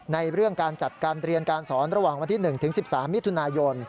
ในเรื่องการจัดการเรียนการสอนระหว่างวันที่๑ถึง๑๓มิถุนายน